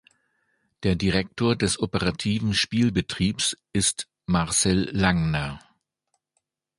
Der Direktor des operativen Spielbetriebs ist Marcel Langner.